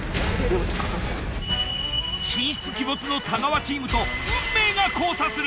神出鬼没の太川チームと運命が交差する！